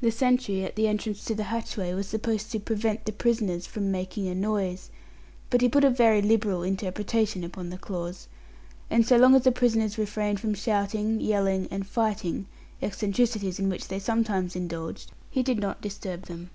The sentry at the entrance to the hatchway was supposed to "prevent the prisoners from making a noise," but he put a very liberal interpretation upon the clause, and so long as the prisoners refrained from shouting, yelling, and fighting eccentricities in which they sometimes indulged he did not disturb them.